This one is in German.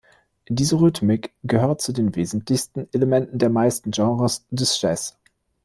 Diese Rhythmik gehört zu den wesentlichsten Elementen der meisten Genres des Jazz.